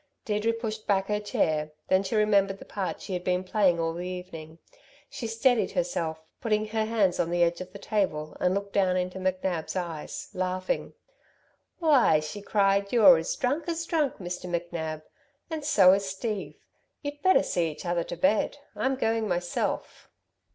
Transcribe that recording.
Deirdre pushed back her chair. Then she remembered the part she had been playing all the evening. She steadied herself, putting her hands on the edge of the table, and looked down into McNab's eyes, laughing. "Why," she cried, "you're as drunk as drunk, Mr. McNab! And so is Steve; you'd better see each other to bed. I'm going myself."